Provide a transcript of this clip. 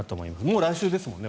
もう来週ですもんね。